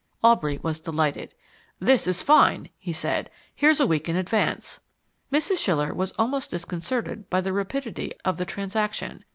Aubrey was delighted. "This is fine," he said. "Here's a week in advance." Mrs. Schiller was almost disconcerted by the rapidity of the transaction.